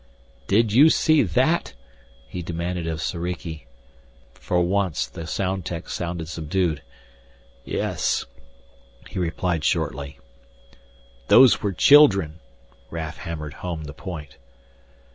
"Did you see that?" he demanded of Soriki. For once the com tech sounded subdued. "Yes," he replied shortly. "Those were children," Raf hammered home the point.